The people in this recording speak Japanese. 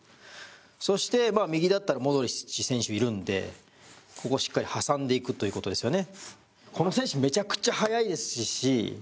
そして、右だったらモドリッチ選手がいるのでここをしっかり挟んでいくということですよね。